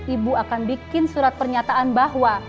ibu akan bikin surat pernyataan bahwa